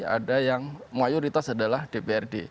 ada yang mayoritas adalah dprd